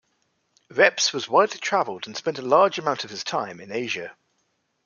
Reps was widely travelled and spent a large amount of his time in Asia.